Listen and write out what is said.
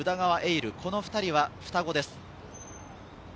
琉、この２人は双子です。